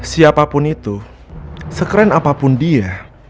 siapapun itu sekeren apapun dia